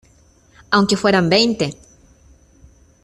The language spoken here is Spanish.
aunque fueran veinte,